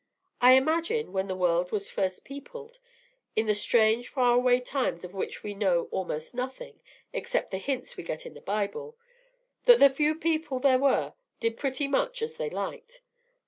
I imagine, when the world was first peopled, in the strange faraway times of which we know almost nothing except the hints we get in the Bible, that the few people there were did pretty much as they liked.